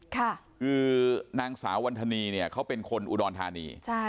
คือนางสาววันธานีเป็นคนอุดรธานี